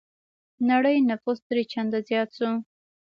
نړۍ نفوس درې چنده زيات شوی.